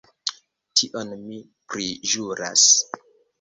Tion mi priĵuras.